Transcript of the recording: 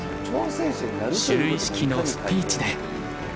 就位式のスピーチで。